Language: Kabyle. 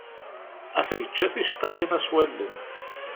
Ata yečča ticeṭṭaḥin-a s wallen.